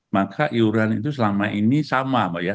maka iuran itu selama ini sama mbak ya